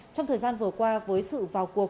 trong thời gian vừa qua với sự vào cuộc